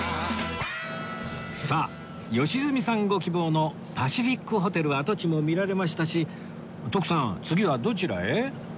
さあ良純さんご希望のパシフィックホテル跡地も見られましたし徳さん次はどちらへ？